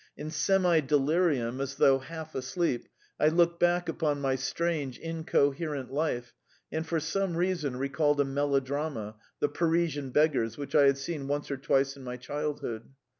In semi delirium, as though half asleep, I looked back upon my strange, incoherent life, and for some reason recalled a melodrama, "The Parisian Beggars," which I had seen once or twice in my childhood.